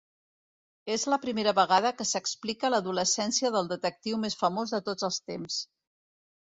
És la primera vegada que s’explica l'adolescència del detectiu més famós de tots els temps.